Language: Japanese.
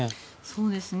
そうですね。